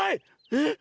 えっ？